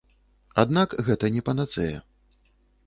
Аднак гэта не панацэя.